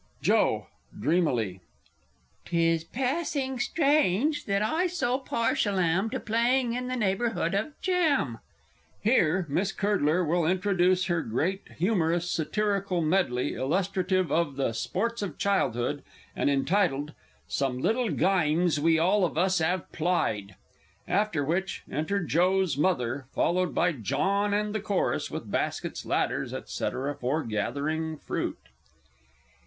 _ Joe (dreamily.) 'Tis passing strange that I so partial am To playing in the neighbourhood of Jam! [HERE Miss CURDLER will introduce her great humorous Satirical Medley illustrative of the Sports of Childhood, and entitled, "Some little Gymes we all of us 'ave Plied;" after which, Enter JOE'S Mother, followed by JOHN and the Chorus, with baskets, ladders, &c., for gathering fruit.